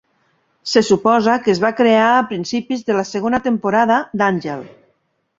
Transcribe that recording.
Se suposa que es va crear a principis de la segona temporada d'"Angel".